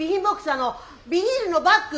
あのビニールのバッグ！